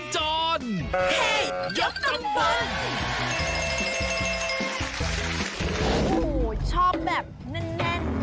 โหชอบแบบแน่น